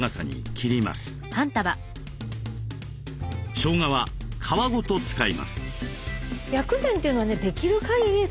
しょうがは皮ごと使います。